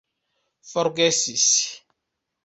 forgesis